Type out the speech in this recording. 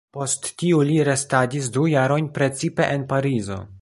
Post tiu li restadis du jarojn precipe en Parizo.